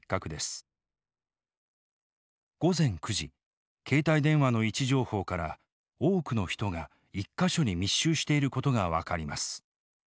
午前９時携帯電話の位置情報から多くの人が１か所に密集していることが分かります。